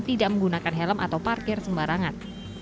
tidak menggunakan helm atau parkir sembarangan